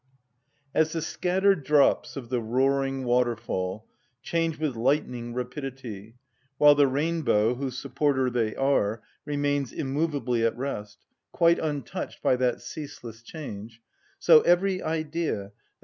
As the scattered drops of the roaring waterfall change with lightning rapidity, while the rainbow, whose supporter they are, remains immovably at rest, quite untouched by that ceaseless change, so every Idea, _i.